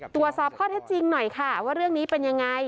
ตรวจสอบข้อเท็จจริงหน่อยค่ะว่าเรื่องนี้เป็นยังไง